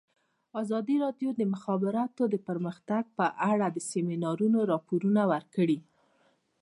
ازادي راډیو د د مخابراتو پرمختګ په اړه د سیمینارونو راپورونه ورکړي.